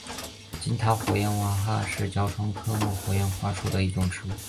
金塔火焰花是爵床科火焰花属的植物。